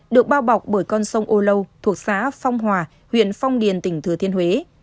được bao bọc bởi con sông âu lâu thuộc xã phong hòa huyện phong điền tỉnh thừa thiên huế